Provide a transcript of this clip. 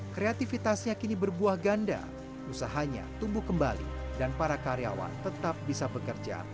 kreativitasnya kini berbuah ganda usahanya tumbuh kembali dan para karyawan tetap bisa bekerja